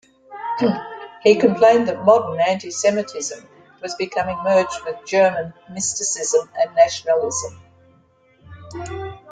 He complained that modern anti-Semitism was becoming merged with German mysticism and nationalism.